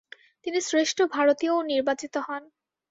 তিনি "শ্রেষ্ঠ ভারতীয়"ও নির্বাচিত হন।